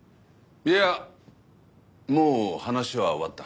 いやもう話は終わった。